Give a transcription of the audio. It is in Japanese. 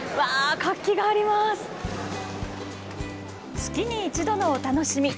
月に一度のお楽しみ。